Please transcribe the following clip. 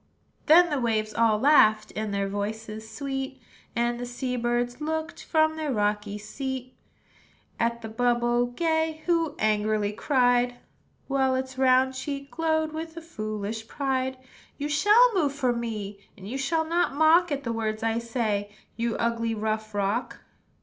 Then the waves all laughed, In their voices sweet; And the sea birds looked, From their rocky seat, At the bubble gay, Who angrily cried, While its round cheek glowed With a foolish pride, "You shall move for me; And you shall not mock At the words I say, You ugly, rough rock!